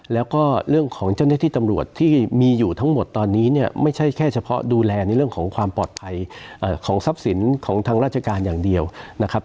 แล้วก็เรื่องของเจ้าหน้าที่ตำรวจที่มีอยู่ทั้งหมดตอนนี้เนี่ยไม่ใช่แค่เฉพาะดูแลในเรื่องของความปลอดภัยของทรัพย์สินของทางราชการอย่างเดียวนะครับ